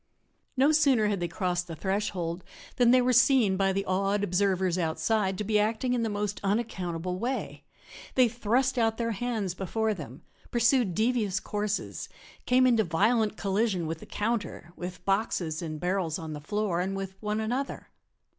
No sooner had they crossed the threshold than they were seen by the awed observers outside to be acting in the most unaccountable way. They thrust out their hands before them, pursued devious courses, came into violent collision with the counter, with boxes and barrels on the floor, and with one another.